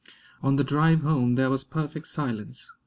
On the drive home there was perfect silence.